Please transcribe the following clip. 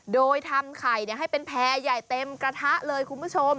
โดยทำไข่ให้เป็นแพร่ใหญ่เต็มกระทะเลยคุณผู้ชม